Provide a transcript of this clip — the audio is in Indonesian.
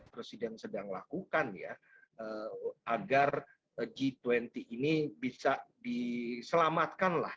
presiden sedang melakukan agar g dua puluh ini bisa diberi kembali ke negara lain